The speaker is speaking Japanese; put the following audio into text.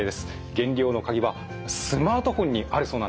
減量のカギはスマートフォンにあるそうなんですね。